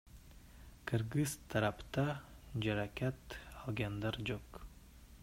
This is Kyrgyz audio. Кыргыз тарапта жаракат алгандар жок.